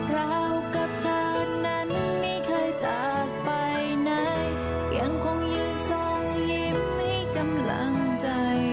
เรากับเธอนั้นไม่เคยจากไปไหนยังคงยืนทรงยิ้มมีกำลังใจ